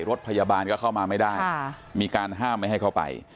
รถพยาบาลก็เข้ามาไม่ได้มีการห้ามไม่ให้เข้าไป